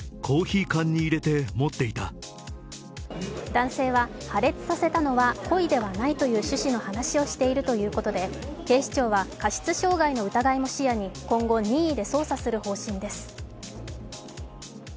男性は破裂させたのは故意ではないという趣旨の話をしているということで警視庁は過失傷害の疑いも視野に今後、任意で捜査する方針です。